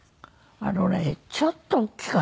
あのねちょっと大きかったんですよ。